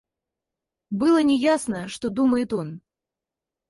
Было не ясно, что думает он.